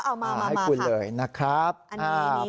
เอามาคุณเลยนะครับเอ๋อมี